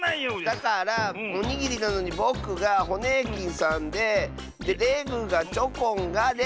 だからおにぎりなのにぼくがホネーキンさんででレグがチョコンがで。